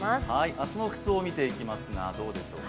明日の服装を見ていきますが、どうでしょうか。